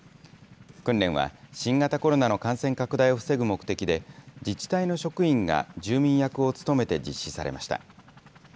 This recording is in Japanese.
訓練は、新型コロナの感染拡大を防ぐ目的で、自治体の職員が住民役を務めて実施されました。